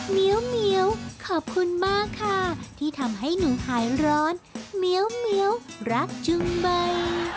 เหนียวขอบคุณมากค่ะที่ทำให้หนูหายร้อนเหมียวรักจึงไป